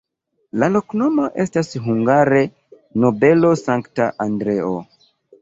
La loknomo estas hungare: nobelo-Sankta Andreo.